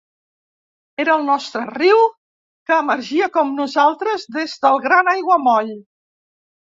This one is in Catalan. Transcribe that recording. Era el nostre riu que emergia com nosaltres des del gran aiguamoll.